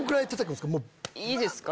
いいですか？